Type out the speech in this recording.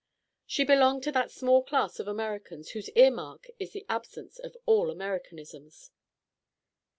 She belonged to that small class of Americans whose ear mark is the absence of all Americanisms.